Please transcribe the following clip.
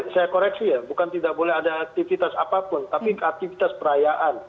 saya koreksi ya bukan tidak boleh ada aktivitas apapun tapi aktivitas perayaan